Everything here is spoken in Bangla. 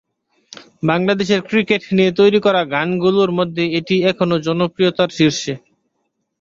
বাংলাদেশের ক্রিকেট নিয়ে তৈরি করা গানগুলোর মধ্যে এটি এখনও জনপ্রিয়তার শীর্ষে।